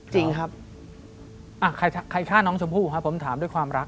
จริงครับใครฆ่าน้องชมพู่ครับผมถามด้วยความรัก